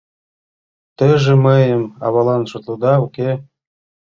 Теже мыйжым авалан шотледа, уке?